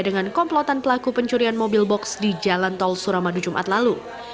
dengan komplotan pelaku pencurian mobil box di jalan tol suramadu jumat lalu